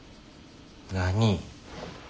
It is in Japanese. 何？